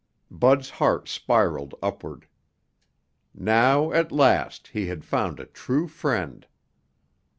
Bud's heart spiraled upward. Now, at last, he had found a true friend.